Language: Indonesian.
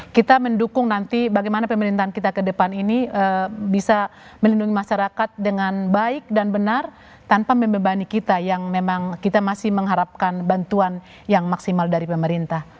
jadi kita mendukung nanti bagaimana pemerintahan kita ke depan ini bisa melindungi masyarakat dengan baik dan benar tanpa membebani kita yang memang kita masih mengharapkan bantuan yang maksimal dari pemerintah